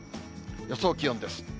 予想気温です。